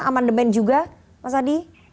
amandemen juga mas adi